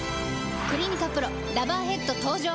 「クリニカＰＲＯラバーヘッド」登場！